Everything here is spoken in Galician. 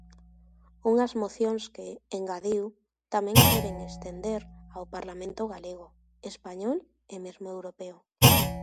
Unhas mocións que, engadiu, tamén queren estender ao parlamento galego, español e mesmo europeo.